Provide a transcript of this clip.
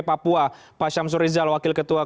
papua pak syamsur rizal wakil ketua